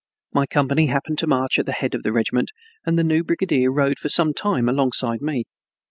My company happened to march at the head of the regiment and the new brigadier rode for some time alongside of me.